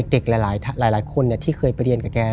เด็กหลายคนที่เคยไปเรียนกับแก